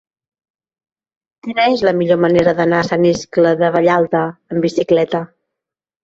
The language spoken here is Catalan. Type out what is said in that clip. Quina és la millor manera d'anar a Sant Iscle de Vallalta amb bicicleta?